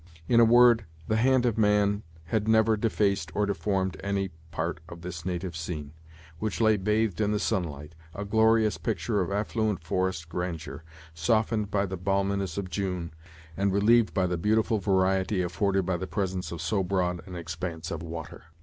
In a word, the hand of man had never yet defaced or deformed any part of this native scene, which lay bathed in the sunlight, a glorious picture of affluent forest grandeur, softened by the balminess of June, and relieved by the beautiful variety afforded by the presence of so broad an expanse of water.